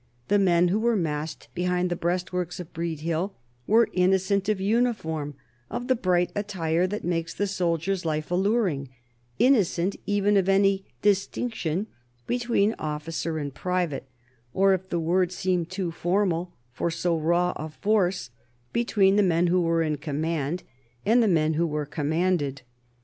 The men who were massed behind the breastworks of Breed Hill were innocent of uniform, of the bright attire that makes the soldier's life alluring, innocent even of any distinction between officer and private, or, if the words seem too formal for so raw a force, between the men who were in command and the men who were commanded.